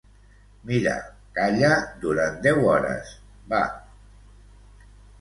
Mira, calla durant deu hores, va.